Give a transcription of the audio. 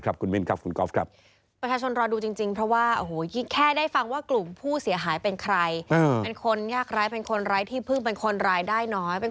แล้วก้งเขาไปเยอะขนาดนั้น